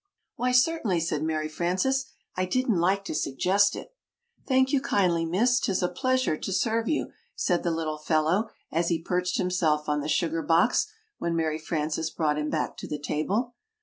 "] "Why, certainly," said Mary Frances. "I didn't like to suggest it." "Thank you kindly, Miss. 'Tis a pleasure to serve you," said the little fellow, as he perched himself on the sugar box, when Mary Frances brought him back to the table.